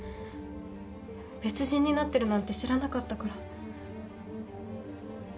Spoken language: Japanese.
別人になってるなんて知らなかったから。